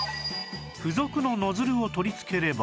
付属のノズルを取りつければ